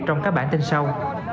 trong các bản tin sau